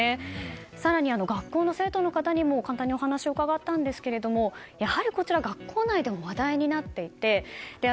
更に学校の生徒の方にも簡単にお話を伺ったんですがやはり学校内でも話題になっていて。